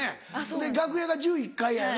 で楽屋が１１階やよね。